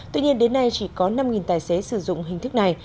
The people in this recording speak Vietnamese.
tuy nhiên đến nay chỉ có năm tài xế sử dụng hình thức này